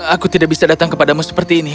aku tidak bisa datang kepadamu seperti ini